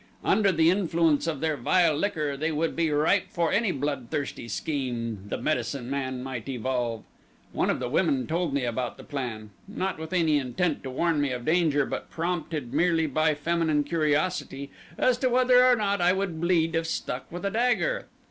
Under the influence of their vile liquor they would be ripe for any bloodthirsty scheme the medicine man might evolve. One of the women told me about the plan not with any intent to warn me of danger, but prompted merely by feminine curiosity as to whether or not I would bleed if stuck with a dagger.